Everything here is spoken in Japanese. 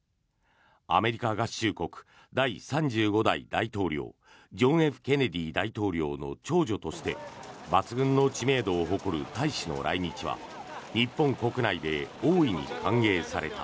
アメリカ合衆国第３５代大統領ジョン・Ｆ・ケネディ大統領の長女として抜群の知名度を誇る大使の来日は日本国内で大いに歓迎された。